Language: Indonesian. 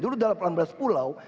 dulu delapan belas pulau